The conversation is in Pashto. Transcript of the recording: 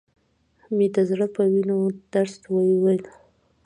مې د زړه په وينو درس وويل.